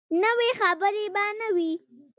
نوي خبرې به نه وي.